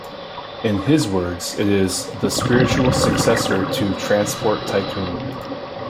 In his words, it is "the spiritual successor to "Transport Tycoon".